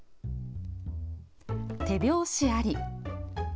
手拍子あり。